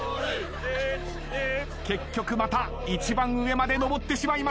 結局また一番上まで上ってしまいました。